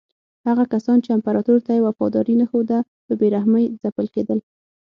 هغه کسان چې امپراتور ته یې وفاداري نه ښوده په بې رحمۍ ځپل کېدل.